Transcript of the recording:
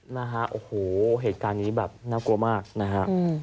นะฮะโอ้โหเหตุการณ์นี้แบบน่ากลัวมากนะฮะ